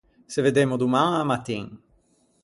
Se veddemmo doman a-a mattin.